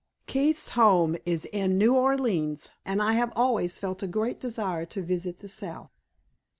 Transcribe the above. Keith's home is in New Orleans, and I have always felt a great desire to visit the South."